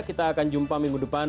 kita akan jumpa minggu depan